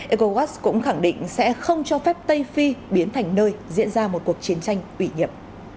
ecowas cũng khẳng định sẽ không cho phép tây phi biến thành nơi diễn ra một cuộc chiến tranh ủy nhiệm